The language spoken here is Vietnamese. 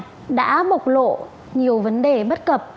viettel đã bộc lộ nhiều vấn đề bất cập